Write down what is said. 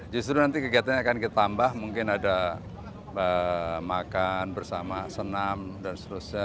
justru nanti kegiatannya akan ditambah mungkin ada makan bersama senam dan seterusnya